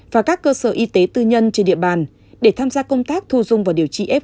và các cơ sở y tế tư nhân trên địa bàn để tham gia công tác thu dung và điều trị f một